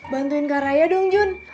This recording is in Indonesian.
bantuin kak raya dong jun